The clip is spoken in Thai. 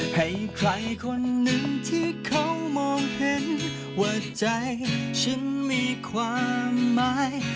ให้ใครคนหนึ่งที่เขามองเห็นว่าใจฉันมีความหมาย